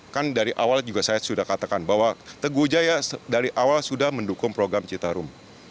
kan dari awal juga saya sudah katakan bahwa teguh jaya dari awal sudah mendukung program citarum